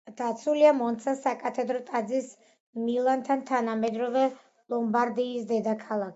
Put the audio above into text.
დაცულია მონცას საკათედრო ტაძარში მილანთან, თანამედროვე ლომბარდიის დედაქალაქში.